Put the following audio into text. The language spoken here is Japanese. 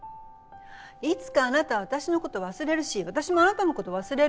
いつかあなたは私のことを忘れるし私もあなたのことを忘れる。